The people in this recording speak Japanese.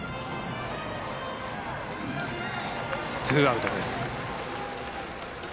ツーアウトです。